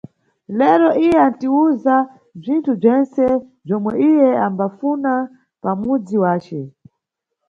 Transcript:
Lero, iye antiwuza bzinthu bzentse bzomwe iye ambafuna pamudzi wace.